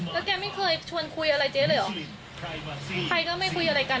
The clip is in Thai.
แล้วแกไม่เคยชวนคุยอะไรเจ๊เลยเหรอใครมาสิใครก็ไม่คุยอะไรกัน